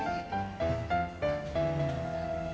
iya dari dalam kacemut dateng